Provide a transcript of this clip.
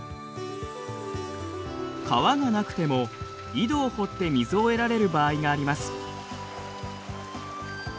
川がなくても井戸を掘って水を得られる場合があります。